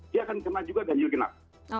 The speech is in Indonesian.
dia akan kena juga ganjil genap